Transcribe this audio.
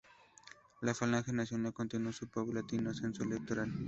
La Falange Nacional continuó su paulatino ascenso electoral.